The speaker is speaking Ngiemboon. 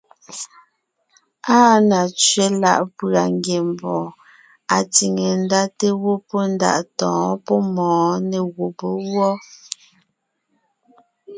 Áa na tsẅé láʼ pʉ̀a ngiembɔɔn atsìŋe ndá té gwɔ́ pɔ́ ndaʼ tɔ̌ɔn pɔ́ mɔ̌ɔn nê gùbé wɔ́.